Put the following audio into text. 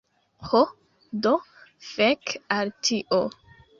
Ho, do fek al tio